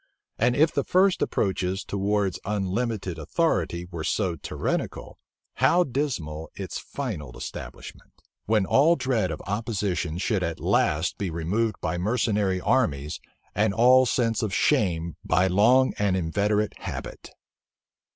And if the first approaches towards unlimited authority were so tyrannical, how dismal its final establishment; when all dread of opposition should at last be removed by mercenary armies, and all sense of shame by long and inveterate habit!